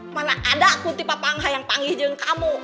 mana ada kuntipa pangha yang panggih jeng kamu